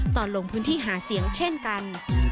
ตอนลงพื้นที่หาเสียงเช่นกัน